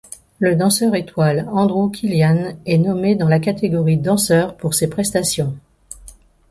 Le danseur étoile Andrew Killian est nommé dans la catégorie Danseur pour ses prestations.